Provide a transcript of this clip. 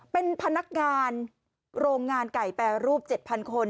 เป็นพนักงานโรงงานไก่แปรรูป๗๐๐คน